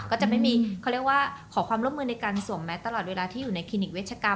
จะไม่มีเขาเรียกว่าขอความร่วมมือในการสวมแมทตลอดเวลาที่อยู่ในคลินิกเวชกรรม